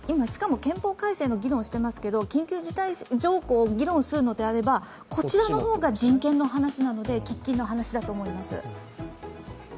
憲法改正の議論がありますが緊急事態条項を議論するのであればこちらの方が人権の話なので喫緊の話だと思います。